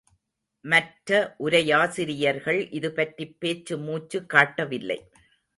மற்ற உரையாசிரியர்கள் இதுபற்றிப் பேச்சு மூச்சு காட்டவில்லை.